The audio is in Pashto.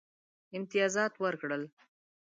امتیازات ورکړل.